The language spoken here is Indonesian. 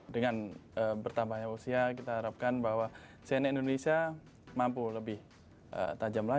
dan saya tahu bahwa kompetitor anda